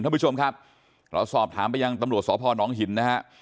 ท่านผู้ชมครับเราสอบถามไปยังตำรวจสพนหินนะฮะ